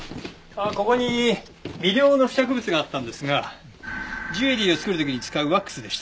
ここに微量の付着物があったんですがジュエリーを作る時に使うワックスでした。